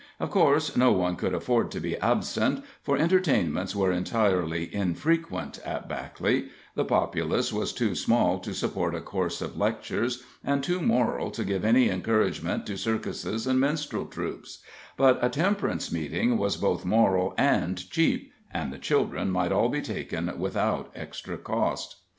Of course no one could afford to be absent, for entertainments were entirely infrequent at Backley; the populace was too small to support a course of lectures, and too moral to give any encouragement to circuses and minstrel troupes, but a temperance meeting was both moral and cheap, and the children might all be taken without extra cost.